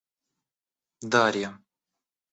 Дарья